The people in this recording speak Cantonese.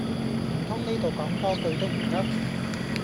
唔通呢度講多句都唔得